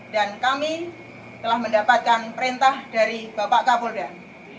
dan kami telah mendapatkan perintah dari bapak kapoldan